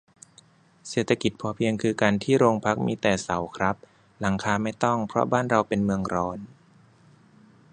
เศรษฐกิจพอเพียงคือการที่โรงพักมีแต่เสาครับ หลังคาไม่ต้อง เพราะบ้านเราเป็นเมืองร้อน